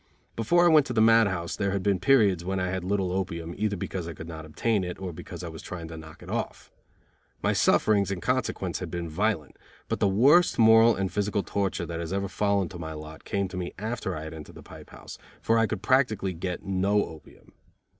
Before I went to the mad house there had been periods when I had little opium, either because I could not obtain it, or because I was trying to knock it off. My sufferings in consequence had been violent, but the worst moral and physical torture that has ever fallen to my lot came to me after I had entered the pipe house; for I could practically get no opium.